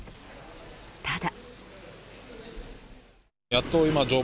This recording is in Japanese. ただ。